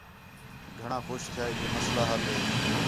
گھݨاں خوش تِھیا ہے کہ مسئلہ حل ہے